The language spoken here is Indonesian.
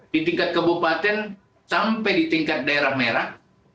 di tingkat kabupaten sampai di tingkat daerah merah